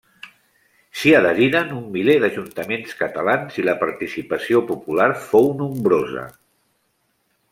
S'hi adheriren un miler d'ajuntaments catalans i la participació popular fou nombrosa.